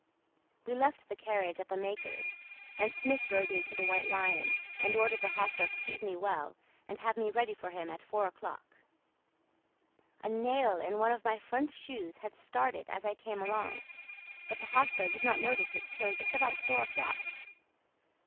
We left the carriage at the maker's, and Smith rode me to the White Lion, and ordered the hostler to feed me well, and have me ready for him at four o'clock. A nail in one of my front shoes had started as I came along, but the hostler did not notice it till just about four o'clock.